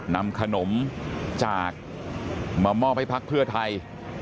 นำขนมจากมามอบให้พักเพื่อไทย